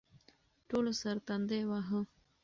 ټولو سر تندی واهه.